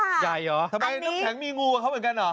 ใหญ่เหรอทำไมน้ำแข็งมีงูกับเขาเหมือนกันเหรอ